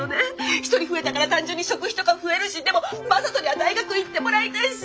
一人増えたから単純に食費とか増えるしでも正門には大学行ってもらいたいし！